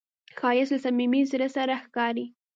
ښایست له صمیمي زړه سره ښکاري